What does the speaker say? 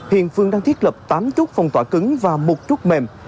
hiện phương đang thiết lập tám chốt phòng tỏa cứng và một chút mềm